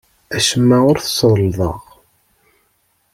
Acemma ur t-sellḍeɣ.